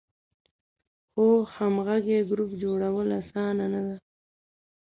خو همغږی ګروپ جوړول آسانه نه ده.